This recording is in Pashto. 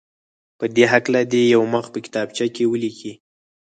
په دې هکله دې یو مخ په کتابچه کې ولیکي.